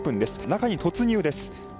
中に突入です。